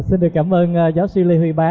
xin được cảm ơn giáo sư lê huy bá